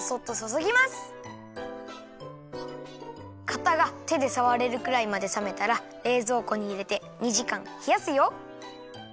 かたがてでさわれるくらいまでさめたられいぞうこにいれて２じかんひやすよ。